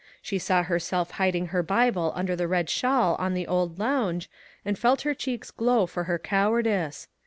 She saw herself hiding her Bible under the red shawl on the old lounge, and felt her cheeks glow for her cowardice.